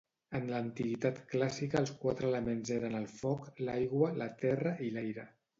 En l'antiguitat clàssica els quatre elements eren el foc, l'aigua, la terra i l'aire.